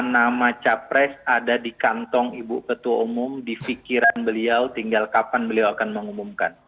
nama capres ada di kantong ibu ketua umum di fikiran beliau tinggal kapan beliau akan mengumumkan